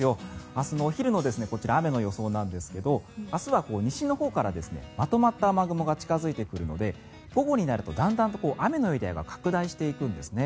明日のお昼の、こちら雨の予想なんですけど明日は西のほうからまとまった雨雲が近付いてくるので午後になるとだんだんと雨のエリアが拡大していくんですね。